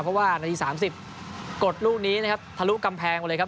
เพราะว่านาที๓๐กดลูกนี้นะครับทะลุกำแพงไปเลยครับ